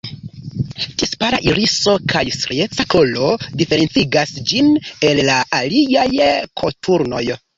Ties pala iriso kaj strieca kolo diferencigas ĝin el la aliaj koturnoj.